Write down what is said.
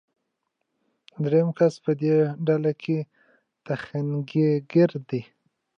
دریم کس په دې ډله کې تخنیکګر دی.